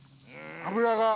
脂が。